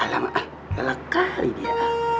alamak lelakar ini ya